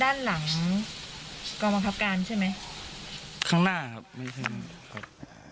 ด้านหลังกองบังคับการใช่ไหมข้างหน้าครับไม่ใช่ครับอ่า